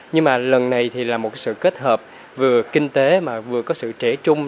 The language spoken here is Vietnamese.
nhưng mà lần này thì là một sự kết hợp vừa kinh tế mà vừa có sự trẻ trung